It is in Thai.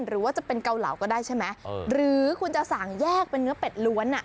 หรือว่าจะเป็นเกาเหลาก็ได้ใช่ไหมหรือคุณจะสั่งแยกเป็นเนื้อเป็ดล้วน